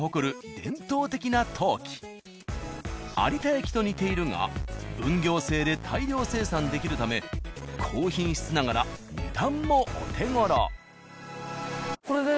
有田焼と似ているが分業制で大量生産できるため高品質ながら値段もお手ごろ。